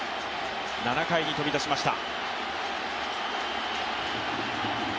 ７回に飛び出しました。